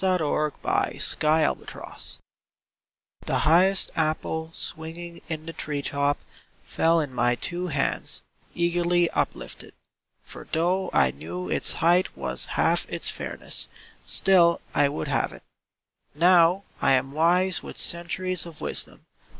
Vigils TO SAPPHO, ABOUT HER APPLE The highest apple swinging in the treetop Fell in my two hands, eagerly upHfted. For though I knew its height was half its fairness, Still I would have It. Now I am wise with centuries of wisdom.